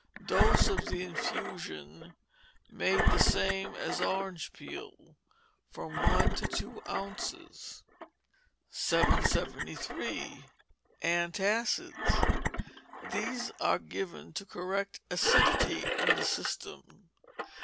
Dose of the infusion (made the same as orange peel), from one to two ounces. 773. Antacids. These are given to correct acidity in the system.